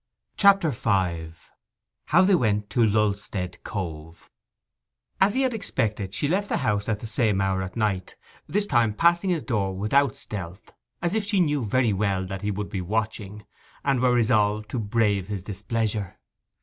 CHAPTER V—HOW THEY WENT TO LULSTEAD COVE As he had expected, she left the house at the same hour at night, this time passing his door without stealth, as if she knew very well that he would be watching, and were resolved to brave his displeasure.